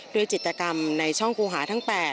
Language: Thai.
จิตกรรมในช่องกูหาทั้ง๘